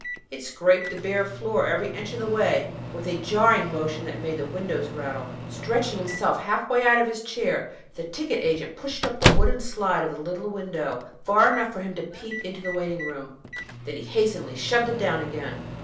It scraped the bare floor every inch of the way, with a jarring motion that made the windows rattle. Stretching himself half way out of his chair, the ticket agent pushed up the wooden slide of the little window far enough for him to peep into the waiting room. Then he hastily shoved it down again.